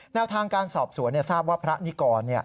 แนวทางการสอบสวนทราบว่าพระนิกร